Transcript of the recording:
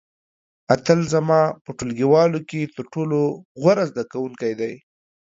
اتل زما په ټولګیوالو کې تر ټولو غوره زده کوونکی دی.